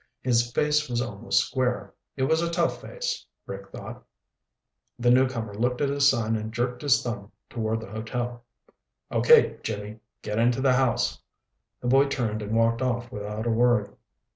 His face was almost square. It was a tough face, Rick thought. The newcomer looked at his son and jerked his thumb toward the hotel. "Okay, Jimmy, get into the house." The boy turned and walked off without a word.